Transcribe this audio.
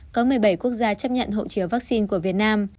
có một mươi bảy quốc gia chấp nhận hộ chiếu vaccine của việt nam